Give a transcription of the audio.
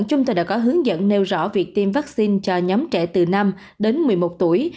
chúng tôi đã có hướng dẫn nêu rõ việc tiêm vaccine cho nhóm trẻ từ năm đến một mươi một tuổi